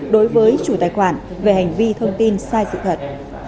đối với chủ tài khoản về hành vi thông tin sai sự thật